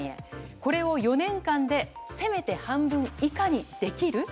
これを４年間で攻めて半分以下にできる？